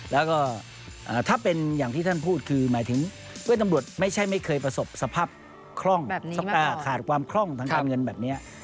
แล้วก็ถ้าเป็นอย่างที่ท่านพูดคือหมายถึงเพื่อนตำรวจไม่ใช่ไม่เคยประสบสภาพขาดความคล่องทางการเงินแบบนี้